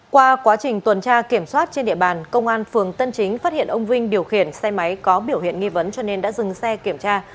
qua quá trình tuần tra kiểm soát trên địa bàn công an phường tân chính phát hiện ông vinh điều khiển xe máy có biểu hiện nghi vấn cho nên đã dừng xe kiểm tra